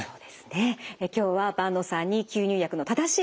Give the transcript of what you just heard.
今日は坂野さんに吸入薬の正しいやり方